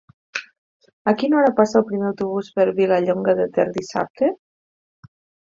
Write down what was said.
A quina hora passa el primer autobús per Vilallonga de Ter dissabte?